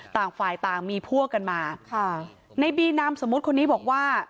ต่างฝ่ายต่างมีพวกกันมาค่ะในบีนามสมมุติคนนี้บอกว่า